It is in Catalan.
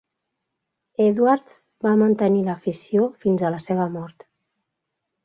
Edwards va mantenir l'afició fins a la seva mort.